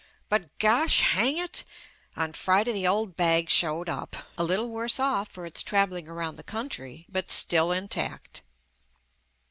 But gosh hang it! On Friday the old bag showed up, a little worse off for its travelling around the country, but still intact.